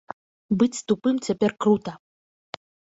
Быць тупым цяпер крута!